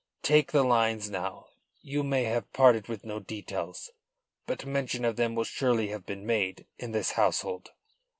Take the lines now: you may have parted with no details. But mention of them will surely have been made in this household.